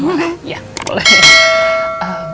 boleh ya boleh